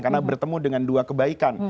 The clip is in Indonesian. karena bertemu dengan dua kebaikan